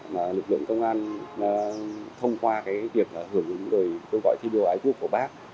mà lực lượng công an thông qua việc hưởng dụng đời tôi gọi thi đô ái quốc của bác